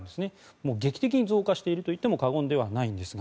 もう劇的に増加しているといっても過言ではないんですが。